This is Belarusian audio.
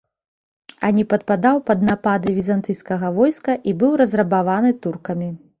Ані падпадаў пад напады візантыйскага войска і быў разрабаваны туркамі.